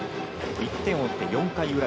１点を折って４回裏。